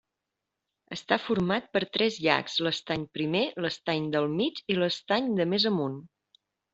Està format per tres llacs, l'estany primer, l'estany del mig i l'estany de més amunt.